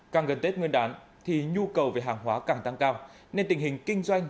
càng gần tết nguyên đán thì nhu cầu về hàng hóa càng tăng cao nên tình hình kinh doanh